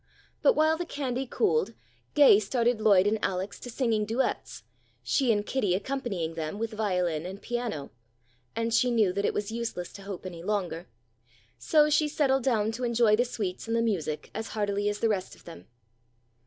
But while the candy cooled Gay started Lloyd and Alex to singing duets, she and Kitty accompanying them with violin and piano, and she knew that it was useless to hope any longer. So she settled down to enjoy the sweets and the music as heartily as the rest of them.